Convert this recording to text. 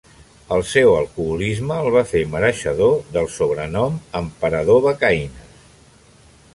El seu alcoholisme el va fer mereixedor del sobrenom "Emperador becaines".